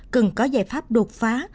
cần có giải pháp đột phá